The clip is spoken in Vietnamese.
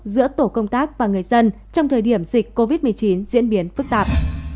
giữa tổ công tác và người dân trong thời điểm dịch covid một mươi chín diễn biến phức tạp